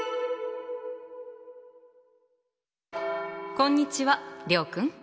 こんにちは諒君。